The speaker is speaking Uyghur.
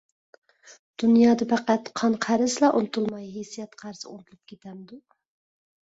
دۇنيادا پەقەت قان-قەرزلا ئۇنتۇلماي، ھېسسىيات قەرزى ئۇنتۇلۇپ كېتەمدۇ؟